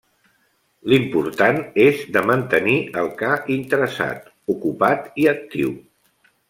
L'important és de mantenir el ca interessat, ocupat i actiu.